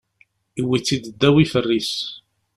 Iwwi-tt-id ddaw ifer-is.